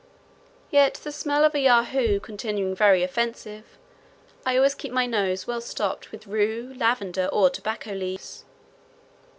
Yet, the smell of a Yahoo continuing very offensive, I always keep my nose well stopped with rue, lavender, or tobacco leaves.